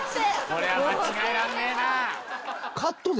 これは間違えらんねえな。